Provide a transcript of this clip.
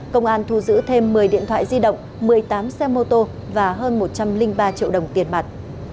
công an thu giữ thêm một mươi điện thoại di động một mươi tám xe mô tô và hơn một trăm linh ba triệu đồng tiền mặt